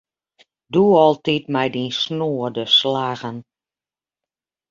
Do altyd mei dyn snoade slaggen.